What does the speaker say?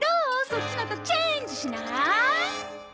そっちのとチェンジしない？